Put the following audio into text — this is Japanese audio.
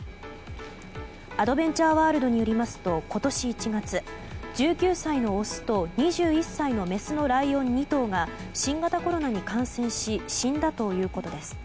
アドベンチャーワールドによりますと今年１月１９歳のオスと２１歳のメスのライオン２頭が新型コロナに感染し死んだということです。